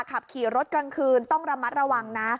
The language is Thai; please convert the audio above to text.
ขับขี่รถกลางคืนต้องระมัดระวังนะ